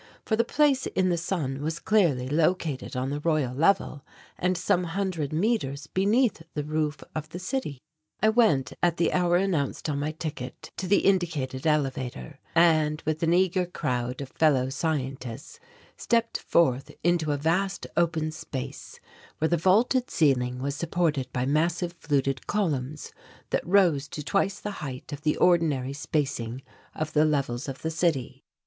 For the Place in the Sun was clearly located on the Royal Level and some hundred metres beneath the roof of the city. I went, at the hour announced on my ticket, to the indicated elevator; and, with an eager crowd of fellow scientists, stepped forth into a vast open space where the vaulted ceiling was supported by massive fluted columns that rose to twice the height of the ordinary spacing of the levels of the city.